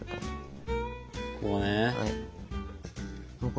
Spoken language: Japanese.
こうね。